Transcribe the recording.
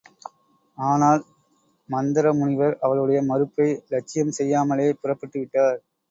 ஆனால், மந்தரமுனிவர் அவளுடைய மறுப்பை இலட்சியம் செய்யாமலே புறப்பட்டுவிட்டார்.